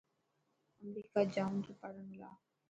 امريڪا جائون تو پڙهڻ لاءِ.